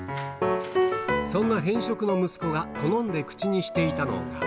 そんな偏食の息子が好んで口にしていたのが。